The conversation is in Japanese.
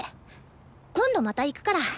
今度また行くから。